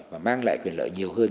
và mang lại quyền lợi nhiều hơn